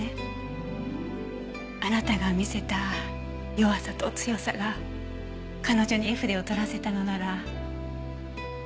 あなたが見せた弱さと強さが彼女に絵筆を執らせたのなら。